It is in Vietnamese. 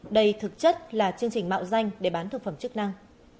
đây thực chất là chương trình mạo danh để bán thực phẩm chức năng